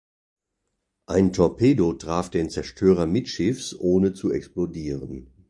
Ein Torpedo traf den Zerstörer mittschiffs, ohne zu explodieren.